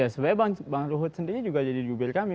sebenarnya bang ruhut sendiri juga jadi jubir kami